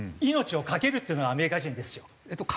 命を懸けるっていうのがアメリカ人ですよ。